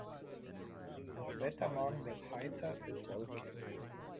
Das Wetter morgen wird heiter bis wolkig.